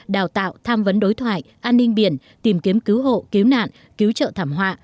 đào tạo tham vấn đối thoại an ninh biển tìm kiếm cứu hộ cứu nạn cứu trợ thảm họa